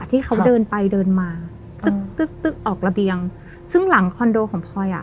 ที่เขาเดินไปเดินมาออกระเบียงซึ่งหลังคอนโดของพลอยอ่ะ